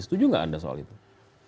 setuju nggak anda soal itu